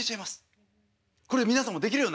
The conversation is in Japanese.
これで皆さんもできるようになります